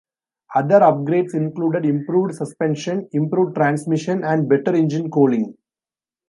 Other upgrades included improved suspension, improved transmission, and better engine cooling.